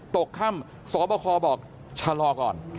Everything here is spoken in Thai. ตกค่ำสบคบอกชะลอก่อน